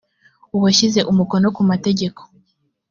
uwashyize umukono ku mategeko